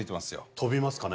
飛びますかね？